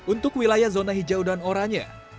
untuk wilayah zona hijau dan oranye